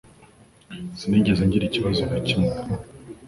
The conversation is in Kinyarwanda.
Sinigeze ngira ikibazo na kimwe.